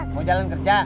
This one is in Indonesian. mau jalan kerja